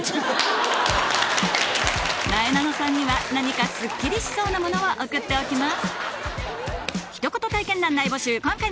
なえなのさんには何かすっきりしそうなものを送っておきます